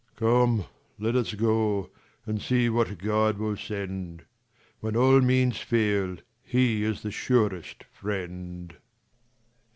Leir. Come, let us go, and see what God will send ; When all means fail, he is the surest friend.